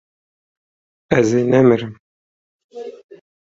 Ez ê nemirim.